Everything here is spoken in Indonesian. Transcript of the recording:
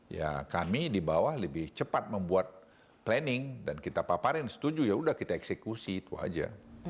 ya kami di bawah lebih cepat membuat planning dan kita paparin setuju ya udah kita eksekusi itu aja